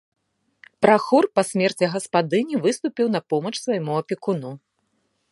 Прахор па смерці гаспадыні выступіў на помач свайму апекуну.